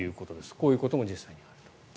こういうことも実際にあると。